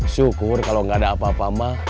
syukur kalau gak ada apa apa mah